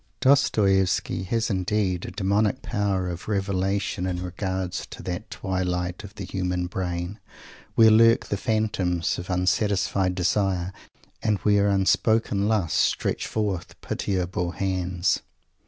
Dostoievsky has, indeed, a demonic power of revelation in regard to that twilight of the human brain, where lurk the phantoms of unsatisfied desire, and where unspoken lusts stretch forth pitiable hands.